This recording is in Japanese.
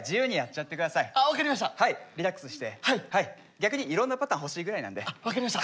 逆にいろんなパターン欲しいぐらいなんで。分かりました。